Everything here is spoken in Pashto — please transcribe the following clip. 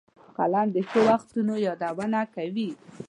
قلم د ښو وختونو یادونه کوي